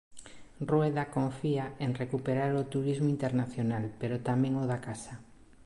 Rueda confía en recuperar o turismo internacional pero tamén o da casa.